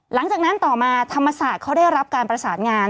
หลังจากนั้นต่อมาธรรมศาสตร์เขาได้รับการประสานงาน